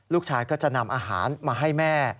ลูกชายก็จะนำอาหารมาให้แม่